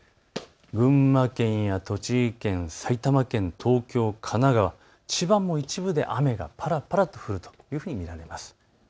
群馬県や栃木県、埼玉県、東京、神奈川、千葉も一部で雨がぱらぱら降ると見られます。